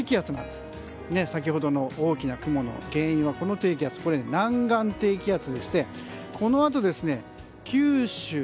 先ほどの大きな雲の原因のこの低気圧が南岸低気圧でしてこのあと、九州